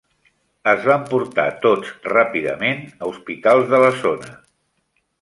Es van portar tots ràpidament a hospitals de la zona.